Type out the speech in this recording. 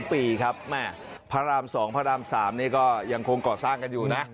เป็นคนปรับเจ็บที่ทั่วโลกค่ะ